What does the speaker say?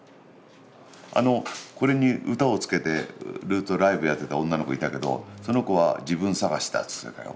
これに歌をつけてずっとライブやってた女の子いたけどその子は「自分探しだ」つってたよ。